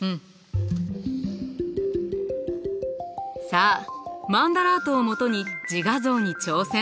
さあマンダラートをもとに自画像に挑戦。